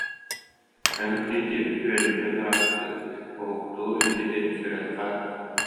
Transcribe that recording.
Өҥ тиити үөнүттэн ыраастыыр, Уһуктуу илдьитин сүрэххэ